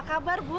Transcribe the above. ah apa kabar bu